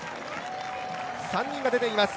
３人が出ています。